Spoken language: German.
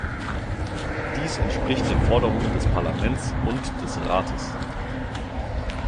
Dies entspricht den Forderungen des Parlaments und des Rates.